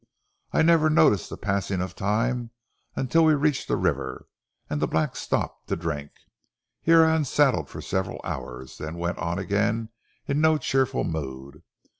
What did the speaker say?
I never noticed the passing of time until we reached the river, and the black stopped to drink. Here I unsaddled for several hours; then went on again in no cheerful mood.